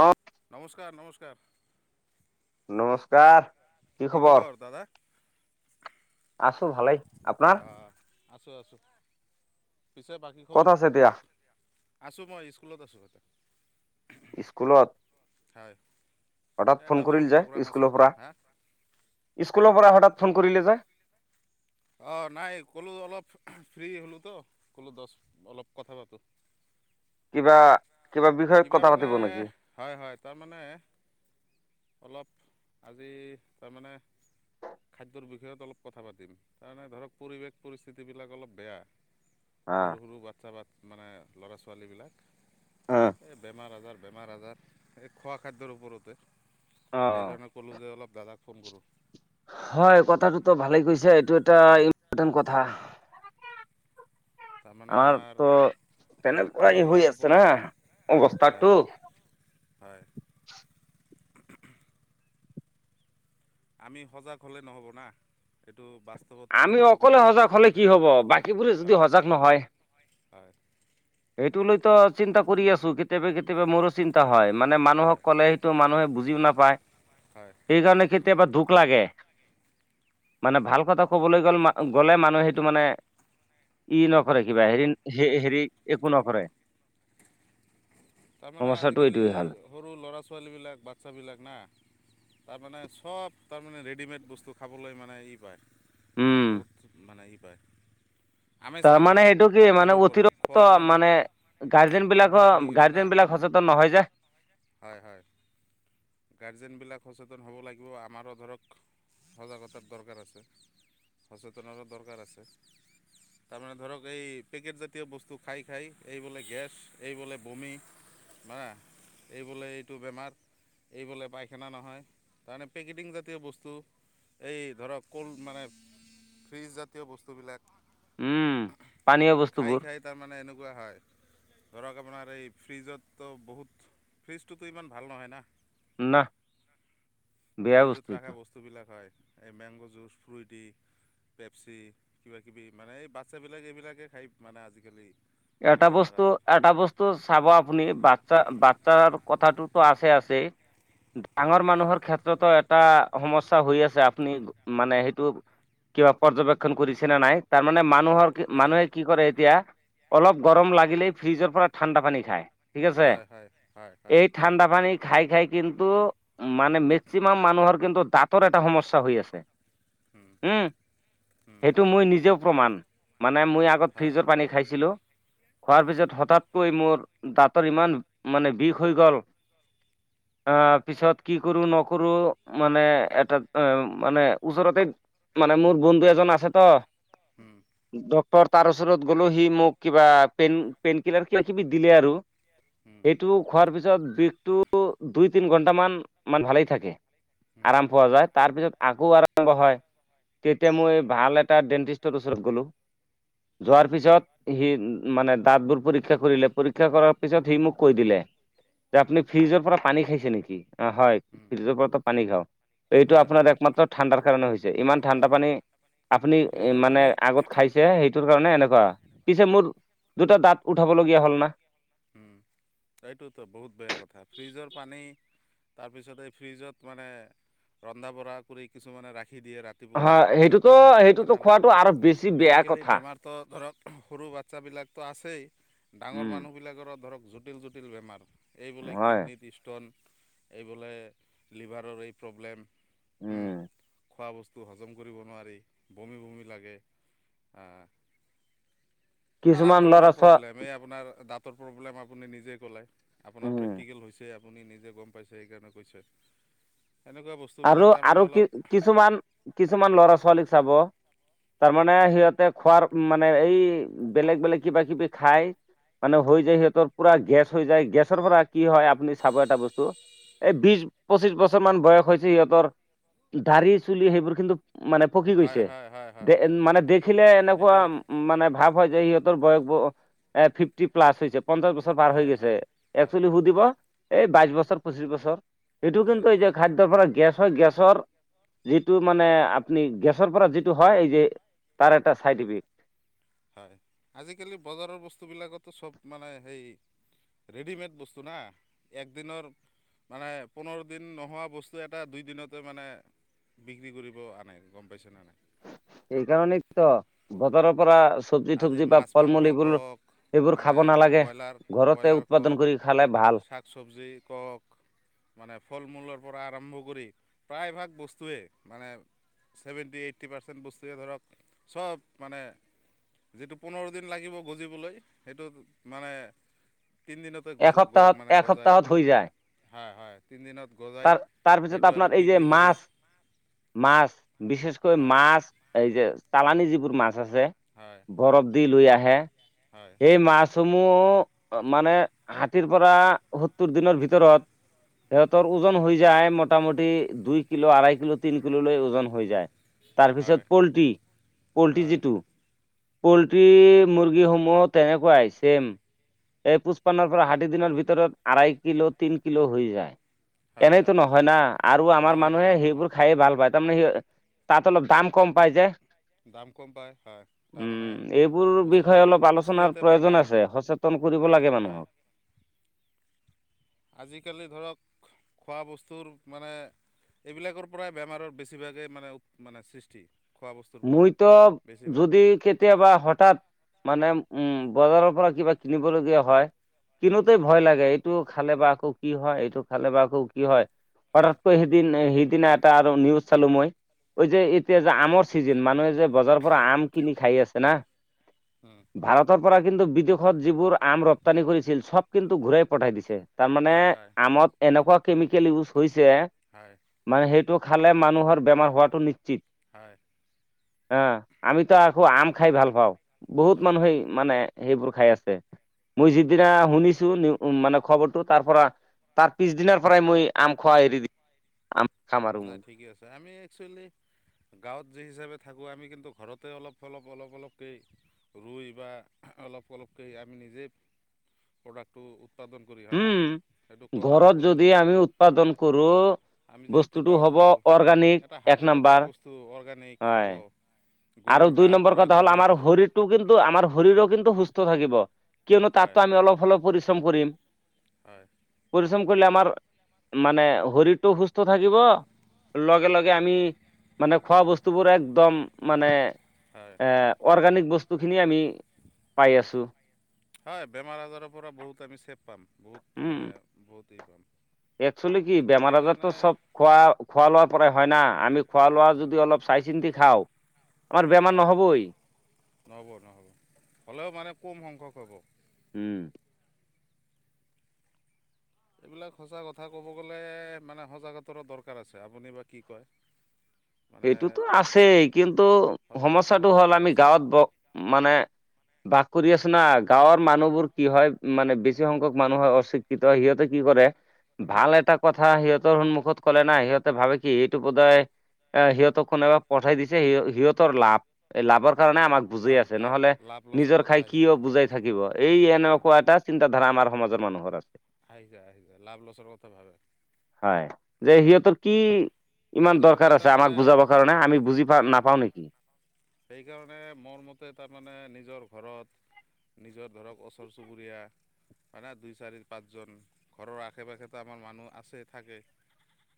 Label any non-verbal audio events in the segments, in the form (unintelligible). অহ ', নমস্কাৰ - নমস্কাৰ! নমস্কাৰ। কি খবৰ আছো ভালেই আপোনাৰ? অঁ আছোঁ আছোঁ। পিছে বাকী ক'ত খবৰ আছে এতিয়া কওক আছোঁ মই স্কুলত আছোঁ। স্কুলত। হয়। হঠৎ এটা ফোন সৰু কৰিল যে প্ৰগ্ৰাম স্কুলৰ আছিলতো পৰা হা স্কুলৰ পৰা হঠাৎ ফোন কৰিলে যে। অঁ নাই ক'লো অলপ ফ্ৰী হলোঁতো কলো দহ অলপ কথা পাতোঁ। কিবা কিবা বিষয়ত কিবা কথা মানে পাতিব নেকি হয় হয় তাৰমানে। অলপ আজি তাৰমানে খাদ্যৰ বিষয়ত অলপ কথা পাতিম তাৰমানে ধৰক পৰিৱেশ পৰিস্থিতিবিলাক অলপ বেয়া। হা সৰু সৰু বাচ্ছা বাচ্ছা, মানে ল'ৰা ছোৱালীবিলাক। অ এ বেমাৰ আজাৰ বেমাৰ আজাৰ এই খোৱা খাদ্যৰ ওপৰতে, অ অ সেইকাৰণে ক'লোঁ যে অলপ দাদাক ফোন কৰোঁ। হয় কথাটোতো ভালেই কৈছে এইটো। এটা ইম্পৰ্টেণ্ট কথা। তাৰমানে আমাৰ আমাৰটো এই তেনেকুৱা খোৱা লোৱাৰ হৈ আছে না ওপৰত হয় অৱস্থাটো, হয় আমি সজাগ হ'লে নহ'ব না এইটো বাছ আমি অকলে সজাগ হলে কি হব বাকীবোৰে যদি হয় সজাগ নহয় হয় সেইটো লৈ ত চিন্তা কৰি আছো কেতিয়াবা কেতিয়াবা মোৰো চিন্তা হয় মানে মানুহক হয় ক'লে সেইটো মানুহে বুজ বুজিও নাপায় হয় সেইকাৰণে কেতি কেতিয়াবা দুখ লাগে মানে ভাল কথা ক'বলৈ গ'লে গ'লে মানুহে সেইটো মানে ই নকৰে কিবা হেৰি হেৰি একো নকৰে তাৰমানে সমস্যাটো আজিকালি এইটোৱে হ'ল সৰু ল'ৰা ছোৱালীবিলাক বাচ্ছাবিলাক না তাৰমানে চব তাৰমানে ৰেডিমেড বস্তু খাবলৈ মানে ই পায় মানে উম বহুত মানে বাই তাৰ মানে সেইটো কি মানে অতিৰিক্ত মানে গাৰ্জেন অভ্যাস বিলাকৰ হৈ গৈছে না গাৰ্জেন বিলাক সচেতন নহয় যে হয় হয় গাৰ্জেন বিলাক সচেত সচেতন হ'ব লাগিব আমাৰো ধৰক সজাগতাৰ দৰকাৰ আছে সচেতনৰো দৰকাৰ আছে তাৰমানে ধৰক এই পেকেটজাতীয় বস্তু খাই খাই এই বোলে গেছ এই বোলে বমি ধৰা এইবোলে এইটো বেমাৰ এই বোলে পায়খানা নহয় তাৰমানে পেকেটিং জাতীয় বস্তু এই ধৰক কোল্ড মানে ফ্ৰিজ জাতীয় বস্তুবিলাক উম পানীয় খাই বস্তুবোৰ খাই তাৰমানে এনেকুৱা হয় ধৰক আপোনাৰ এই ফ্ৰিজততো বহুত ফ্ৰিজটোতো ইমান ভাল নহয় না না বেয়া ফ্ৰিজত বস্তু এইটো ৰাখা বস্তুবলাক হয় এই মেংগ' যুঁজ ফ্ৰইটি পেপচি কিবাকিবি মানে এই বাচ্ছাবিলাক এইবিলাকে খাই মানে আজিকালি, মানে এটা বেমাৰ বস্তু আজাৰ এটা বস্তু, চাব আপুনি বাচ্ছা বাচ্ছাৰ কথাটোতো আছে আছে ডাঙৰ মানুহৰ ক্ষেত্ৰতো এটা সমস্যা হৈ আছে আপুনি মানে সেইটো কিবা পৰ্যবক্ষণ কৰিছে নে নাই তাৰে মানে, মানুহৰ কি হয় মানুহে কি কৰে এতিয়া অলপ গৰম লাগিলেই ফ্ৰিজৰ পৰা ঠাণ্ডা পানী খায়। ঠিক আছে হয় হয় হয় হয় এই ঠাণ্ডা পানী, খাই খাই কিন্তু মানে মেক্সিমাম মানুহৰ কিন্তু দাঁত তৰ এটা সমস্যা হৈ আছে। উম উম সেইটো মই নিজে প্ৰমাণ মানে মই আগত হয় ফ্ৰীজৰ পানী খাই খোৱাৰ পিছত হঠাতকৈ মোৰ দাঁতৰ ইমান মানে বিষ হৈ গ'ল। অ' পিছত কি কৰো নকৰো মানে এটা এ মানে ওচৰতে মানে মোৰ বন্ধু এজন আছে তো উম ডক তৰ তাৰ ওচৰত গ'লো সি মোক কিবা পেইন পেইন কিলাৰ কিবা কিবি দিলে আৰু উম সেইটো খোৱাৰ পিছ পিছত বিষটো দুই তিন ঘণ্টামান মান ভালেই থাকে। উম আৰাম পোৱা যায় তাৰ পিছত আকৌ আৰম্ভ হয় তেতিয়া মই ভাল এট এটা ডেণ্টিষ্টৰ ওচৰত গলো' যোৱাৰ পিছত সি মানে দাঁতবোৰ পৰীক্ষা কৰিলে পৰীক্ষা কৰাৰ পিছত সি মোক কৈ দিলে যে আপুনি ফ্ৰিজৰ পৰা পানী খাইছে নেকি? অ' হয় উম ফ্ৰিজৰ পৰা পানী খাওঁ। এইটো হয় আপোনাৰ হয় একমাত্ৰ ঠাণ্ডাৰ কাৰণে হৈছে ইমান হয় ঠাণ্ডা হয় পানী আপুনি ফ্ৰিজৰ মানে পানী আগত খাইছে সেইটোৰ কাৰণে এনেকুৱ বা (inaudible) পিছে মোট দুটা দাঁত উঠাবলগীয়া হ'ল না। উম। এইটোতো বহুত বেয়া কথা। ফ্ৰিজৰ পানী তাৰপিছত এই ফ্ৰিজত মানে ৰন্ধা বঢ়া কৰি কিছুমানে ৰাখ খি দিয়ে হয় ৰাতিপুৱা সেইটোতো ৰাতি খাম সেইটোতো হয়নে নাই? খোৱাটো আৰু বেছি বেয়া আজিকালি কথা। বেমাৰটো ধৰক সৰু বাচ্ছাবিলাকতো আছেই ডাঙৰ উম, মানুহ বিলাক ধৰক জটিল জটিল বেমাৰ। এইবোলে হয় কিডনিত ষ্ট'ন এইবোলে লিভাৰৰ এই প্ৰব্লেম, উম খোৱা বস্তু টো হজম কৰিব নোৱাৰি বমি বমি লাগে নানান কিছুমান ল'ৰা ধৰণৰ ছোৱা প্ৰব্লেম এই আপোনাৰ দাতঁ তৰ প্ৰব্লেম আপুনি নিজে ক'ললে আপোনাৰ উম, প্ৰেক্টিকেল হৈছে আপুনি নিজে গম পাইছে সেইকাৰণে কৈছে। এনেকুৱা বস্তুবিলাক আৰু তাৰমানে আৰু কি অলপ কিছুমান কিছুমান ল'ৰা ছোৱালী চাব তাৰমানে সিহঁতে খোৱাৰ মানে এই বেলেগ বেলেগ কিবা কিবি খাই মানে হৈ যায় সিহঁতৰ পুৰা গেছ হৈ যায় গেছৰ পৰা কি হয় আপুনি চাব এটা বস্তু এই বিশ পঁচিশ বছৰ মান বয়স হৈছে যে সিহঁতৰ দাৰি চুলি সেইবোৰ কিন্তু মানে পকি হয় গৈছে। হয় হয় হয় দে হয় মানে হয় দেখিলে এনেকুৱা এইটো মানে ভাৱ হয় যে সিহঁত তোৰ বয়স ব এই ফিফ্টি প্লাছ হৈ যাব পঞ্চাশ বছৰ পাৰ হৈ হয় গৈছে, হয় হয় (unintelligible) সুধিব এই বাইছ বছৰ পঁচিছ বছৰ। এইটো কিন্তু এতিয়া খাদ্যৰ হয় পৰা গেছৰ, যিটো মানে আপনি গেছৰ পৰা যিটো হয় এই যে তাৰ এটা চাইডিফি হয় আজিকালি বজাৰৰ বস্তুবিলাকতো চব মানে সেই, ৰেডিমেড বস্তু না, একদিনৰ ধৰা পোন্ধৰ দিন নোহোৱা বস্তু এটা দুই দিনতে মানে, বিক্ৰী কৰিব আনে গ'ম পাইছেনে নাই। এইকাৰণে ত বজাৰৰ পৰা চব্জি আজি তবজি বা মাছ ফল মাংস মূল এইবোৰ কওঁক এইবোৰ মানে খাব নালাগে ব্ৰইলাৰ ঘৰতে ব্ৰইলাৰ উৎপাদন কওঁক, কৰি খালে ভাল চাক চবজি কওঁক, মানে ফল মূলৰ পৰা আৰম্ভ কৰি প্ৰায়ভাগ বস্তুৱে মানে ছেভেণ্টি এইটি পাৰ্চেণ্ট বস্তুৱে ধৰক চব মানে যিটো পোন্ধৰ দিন লাগিব গজিবলৈ সেইটো মানে তিনদিনতে গজো গ এসপ্তাহত মানে গজাই এসপ্তাহত হৈ যায় হয় হয়। তিনিদিনত গজাই তাৰ তাৰপিছত সেইটো আৰু আপোনাৰ এই যে বিক্ৰী কৰি মাছ, মাছ বিচেচকৈ হয় মাছ এই যে চালানি যিবোৰ মাছ আছে হয় বৰফ দি লৈ আহ হে। হয় এই মাছ হোম মোঅ মানে ষাঠিৰ পৰা সত্তৰ দিনৰ ভিতৰত, সিহঁতৰ ওজন হৈ যায় মটামুটি দুই কিলো আঢ়াই কিলো তিন কিলো লৈ ওজন হৈ যায়। তাৰপিছত হয় পলটি পলটি হয় যিটো। পলটি মুৰ্গীসমূহত তেনেকুৱাই ছেম, এই পুষ্পানৰ পৰা ষাঠি দিনৰ ভিতৰত আঢ়াই কিলো তিন কিলো হৈ যায়। হয় এনেইতো হয় নহয় না আৰু আমাৰ নহয় মানুহে নহয় নহয় সেইবোৰ খায়ে ভাল পাত তাৰ মানে স তাত অলপ দাম কম পাই যে। দাম কম পায় হয়, তাৰমানে বস্তুবিলাক খুছ চনাৰ প্ৰয়োজন আছে সচেতন কৰিব লাগে হয় মানুহক। আজিকালি ধৰক খোৱা বস্তুৰ মানে এইবিলাকৰ পৰাই বেমাৰৰ বেছিভাগেই মানে মানে সৃষ্টি। খোৱা বস্তুৰ পৰাই মইতো বেছিভাগ যদি কেতিয়াবা হঠাৎ মানে উম, বজাৰৰ পৰা কিবা কিনিবলগীয়া হয়। কিনোতেই ভয় লাগে এই এইটো খালে বা আকৌ কি হয় এইটো খালে বা আকৌ কি হয়। হয় পতককৈ সেইদিন-সেইদিনা এটা আৰু নিউজ চালো মই যে এতিয়া যে আমৰ চিজিন মানুহে যে বজাৰৰ পৰা আম কিনি খাই আছে না। হয় ভাৰতৰ পৰা কিন্তু বিদেশত যিবোৰ আম ৰপ্তানি কৰিছিল চব কিন্তু ঘূৰাই পঠাই দিছে। তাৰমানে হয় আমত এনেকুৱা কেমিকেল ইউজ হৈছে। যে হয় মানে সেইটো টো খালে মানুহৰ বেমাৰ হোৱাটো নিশ্চিত। হয়। অহ আমিতো আকৈ আম খাই ভাল পাওঁ। বহুত হয় মানুহেই মানে সেইবোৰ খাই আছে মই যিদিনা শুনিছো মানে খবৰটো তাৰ পৰা তাৰ পিছ দিনাৰ পৰাই মই আম খোৱা এৰি দি খাম আৰু নাই মই ঠিকেই আছে আমি, একচুৱেলি গাঁৱত যি হিচাপে থাকোঁ আমি কিন্তু ঘৰতে অলপ-অলপ-অলপ-অলপকে ৰুই বা অলপ-অলপকে আমি নিজেই প্ৰডাক্টটো। উৎপাদন কৰি হয়নে উম, সেইটো কৰি ঘৰত কৰিব যদি পাৰোঁ আমি উৎপাদন কৰো বস্তু টো গাঁও থাকোঁ এটা হাতে বনোৱা বস্তু অৰ্গেনিক হ'ব। হয় আৰু গৰুৰ দুই সাৰ নম্বৰ প্ৰয়োগ কথা হল কৰিম আমাৰ শৰীৰটো কিন্তু আমাৰ শৰীৰো কিন্তু সুস্থ থাকিব। কিয়নো হয় তাতো আমি হয় অলপ হলপ পৰিশ্ৰম কৰিম হয় কৰিলে আমাৰ মানে শৰীৰটো সুস্থ থাকিব লগে-লগে আমি মানে খোৱা বস্তু বোৰ একদম মানে হয় অৰ্গানিক বস্তু বস্তুখিনি আমি পাই আছোঁ। হয় বেমাৰ আজাৰৰ পৰা বহুত আমি চেপটি পাম বহুত মানে বহুত। টি পাম, একচুলি কি বেমাৰ আজাৰতো সেইকাৰণে চব খোৱা-খোৱা লোৱাৰ পৰাই হয় ন আমি খোৱা লোৱা হয় হয় যদি অলপ চাই চিন্তি খাওঁ। আমাৰ বেমাৰ হয় নহ'বই নহ'ব-নহ'ব হ'লেও মানে কম সংখ্যক হ'ব। উম এইবিলাক সঁচা কথা ক'ব গ'লে মানে সঁজাগত দৰকাৰ আছে আপুনি বা কি কয়? মানে সেইটোতো আছেয়ে কিন্তু সজাগতাৰো সমস্যাটো হ'ল দৰকাৰ আমি আছে গাঁৱত ব মানে বাস কৰি আছ না গাঁৱৰ মানুহবোৰ কি হয় মানে বেছি সংখ্যক মানুহ হয় অশিক্ষিত হয় সিহঁতে কি কৰে ভাল এটা কথা সিহঁতৰ সন্মুখত কলে না সিহঁতে ভাবে কি এইটো পদায় এ সিহঁতক কোনোবা পঠাই দিছে সিহঁতৰ লাভ এই লাভৰ কাৰণে আমাক লাভ বুজেই লাভ আছে লাভ নহলে লাভ লছৰ নিজৰ কথা খাই আহি কিয় যায় হয় বুজাই থাকিব এই হয় এনেকুৱা হয় এটা চিন্তাধাৰা আমাৰ সমাজৰ মানুহৰ আছে। আহি যায় আহি যায় লাভ লছৰ কথা ভাবে হয় যে সিহঁতৰ কি ইমান দৰকাৰ আছ মানে হয় নেকি সেইকাৰণে মোৰ মতে তাৰমানে নিজৰ ঘৰত নিজৰ ধৰক ওচৰ চুবুৰীয়া মানে দুই চাৰি পাঁচজন ঘৰৰ আশে পাশে তামান আমাৰ মানুহ আছে থাকে।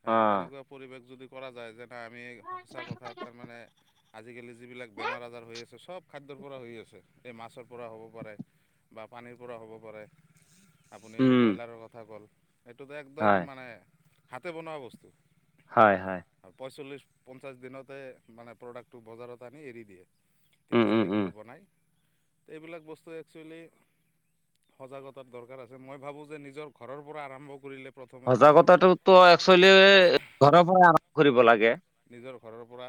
হা অ এনেকুৱা পৰিৱেশ যদি কৰা যায় যে তে আমি সঁচা কথা তাৰমানে আজিকালি যিবিলাক বেমাৰ আজাৰ হৈ আছে চ'ব খাদ্যৰ পৰা হৈ আছে। এই মাছৰ পৰা হ'ব পাৰে, বা পানীৰ পৰা হ'ব পাৰে। আপুনি যি উম ব্ৰইলাৰৰ কথা ক'ল। এইতোটো একদম হয় মানে হাতে বনোৱা বস্তু। হয় হয় পয়ৈচল্লিছ পঞ্চাছ দিনতে মানে প্ৰডাক্ট টো বজাৰত আনি এৰি দিয়ে। ঠিক উম তিনি উম চাৰি উম কিলো বনায়। এইবিলাক বস্তু একচুৱেলি সজাগতাৰ দৰকাৰ। মই ভাবোঁ যে নিজৰ ঘৰৰ পৰা আৰম্ভ কৰিলে। প্ৰথমে ভাল হয় সজাগতাতোটো একচোৱেলি ঘৰৰ পৰা আৰম্ভ কৰিব লাগে। নিজৰ ঘৰৰ পৰা।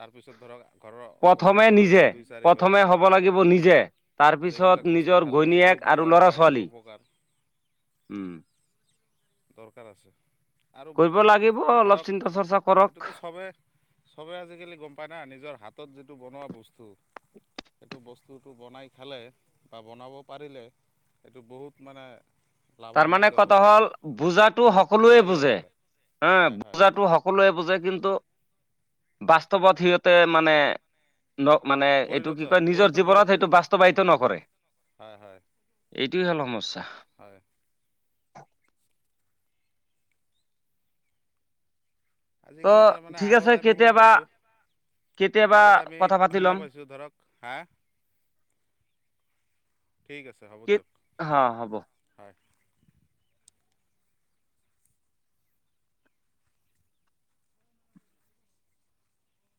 তাৰপিছত ধৰক ঘৰৰ ওচৰে প্ৰথমে পাঁজৰে নিজে দুই চাৰি ঘৰৰ প্ৰথমে হ'ব হয়। লাগিব নিজে। যে তাৰপিছত এইবিলাক বস্তু নিজৰ খালে ঘৈণীয়েক এইটো আৰু উপকাৰ ল'ৰা বা এইটো ছোৱালী অপকাৰ। উম। দৰকাৰ আছে। আৰু কৰিব লাগিব অলপ চিন্তা ধৰক, চৰ্চা এই কৰক টো চবেই, চবেই আজিকালি গম পায় না নিজৰ হাতত যিট এইটো বনোৱা বস্তু। এইটো বস্তুটো বনাই খালে, বা বনাব পাৰিলে, এইটো বহুত মানে তাৰমানে লাভান্বিত কথা হ'ব হ'ল, বুজাতো সকলোৱে বুজে। চাৰিওফালে হা, হয় হয় বুজাতো সকলোৱে বুজে কিন্তু ন্তু বাস্তৱত সিহঁতে মানে, ন মানে এইটো পৰিণত কি কয় পৰি নিজৰ পৰি জীৱনত সেইটো বাস্তৱিত নকৰে। হয় হয় এই টোৱেই হ'ল সমস্যা। হয়। (inaudible) আজিকালি ত' তাৰমানে ঠিক আছে আগত আমি শুনা কেতিয়াবা পাইছোঁ। কেতিয়াবা আগত আমি কথা পাতি শুনা ল'ম পাইছোঁ ধৰক, হা? ঠিক আছে হ'ব কি দিয়ক। হা হ'ব। হয়।